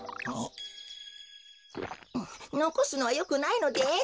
のこすのはよくないのです。